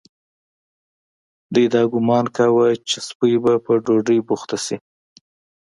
دوی دا ګومان کاوه چې سپۍ به په ډوډۍ بوخته شي.